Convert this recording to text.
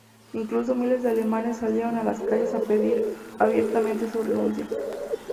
Incluso miles de alemanes salieron a las calles a pedir abiertamente su renuncia.